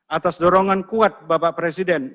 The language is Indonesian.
atas dorongan kuat bapak presiden